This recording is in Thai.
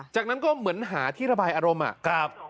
จากนั้นก็เหมือนหาที่ระบายอารมณ์